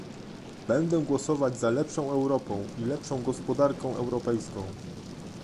będę głosować za lepszą Europą i lepszą gospodarką europejską